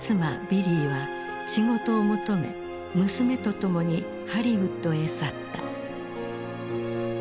ビリーは仕事を求め娘と共にハリウッドへ去った。